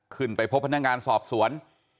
ขึ้นไปพบพนักงานสอบสวน